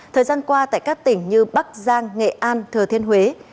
thời gian qua tại các tỉnh như bắc giang nghệ an thừa thiên huế